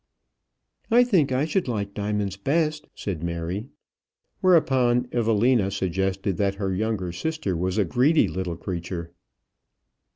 "I think I should like diamonds best," said Mary. Whereupon Evelina suggested that her younger sister was a greedy little creature.